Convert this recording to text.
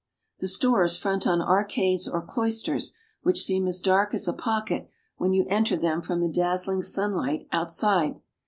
The stores front on arcades or cloisters, which seem as dark as a pocket, when you enter them from the dazzling sunlight outside.